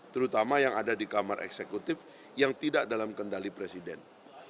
terutama yang ada di kamar eksekutif yang tidak dalam kendali presiden